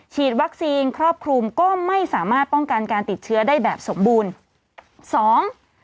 ฉีดวัคซีนครอบคลุมก็ไม่สามารถป้องกันการติดเชื้อได้แบบสมบูรณ์สอง